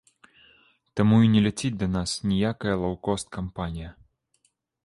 Таму і не ляціць да нас ніякая лоўкост-кампанія.